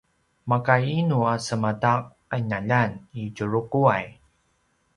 maka inu a sema ta qinaljan i Tjuruquay?